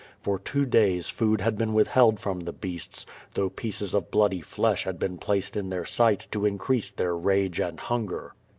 For two days food had been withheld from the beasts, thougli pieces of bloody flesh had been placed in their sight to increase their rage and hunger.